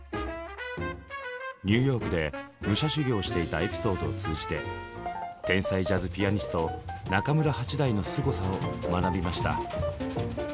ニューヨークで武者修行をしていたエピソードを通じて天才ジャズピアニスト中村八大のすごさを学びました。